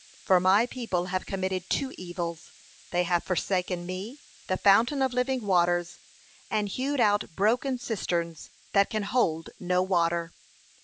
For my people have committed two evils; they have forsaken me, the fountain of living waters, and hewed out broken cisterns, that can hold no water.'